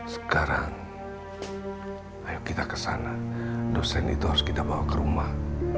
sekarang ayo kita ke sana dosen itu harus kita bawa ke rumah